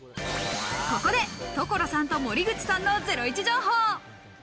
ここで所さんと森口さんのゼロイチ情報。